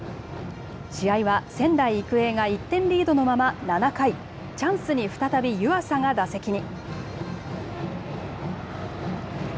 試合は仙台育英が１点リードのまま７回、チャンスに再び湯浅が打席に。